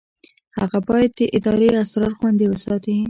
هغه باید د ادارې اسرار خوندي وساتي.